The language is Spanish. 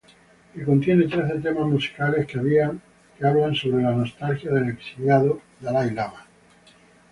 Que contiene trece temas musicales que hablan sobre la nostalgia del exiliado dalai lama.